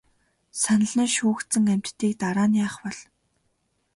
Санал нь шүүгдсэн амьтдыг дараа нь яах бол?